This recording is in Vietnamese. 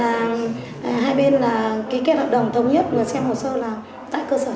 có nghĩa là hai bên là kết hợp đồng thống nhất là xem hồ sơ là tại cơ sở trường